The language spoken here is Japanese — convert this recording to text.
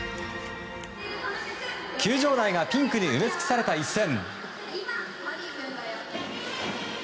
球場内がピンクに埋め尽くされた一戦。